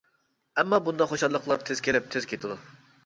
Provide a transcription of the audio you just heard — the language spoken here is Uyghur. ئەمما، بۇنداق خۇشاللىقلار تېز كېلىپ، تېز كېتىدۇ.